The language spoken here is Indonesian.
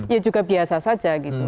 ya juga biasa saja gitu